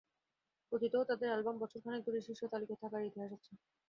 অতীতেও তাদের অ্যালবাম বছর খানেক ধরে শীর্ষ তালিকায় থাকার ইতিহাস আছে।